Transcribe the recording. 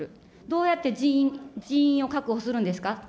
どうやって人員を確保するんですか。